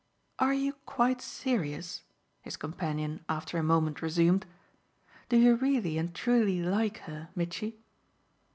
"Are you quite serious?" his companion after a moment resumed. "Do you really and truly like her, Mitchy?"